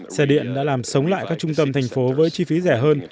xe điện đã làm sống lại các trung tâm thành phố với chi phí rẻ hơn